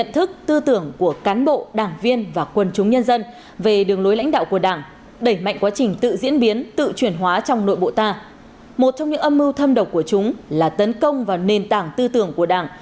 một trong những âm mưu thâm độc của chúng là tấn công vào nền tảng tư tưởng của đảng